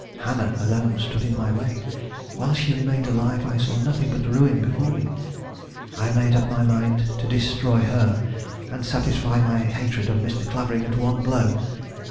Hannah alone stood in my way. While she remained alive I saw nothing but ruin before me. I made up my mind to destroy her and satisfy my hatred of Mr. Clavering at one blow.